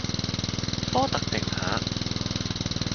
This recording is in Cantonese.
科特迪瓦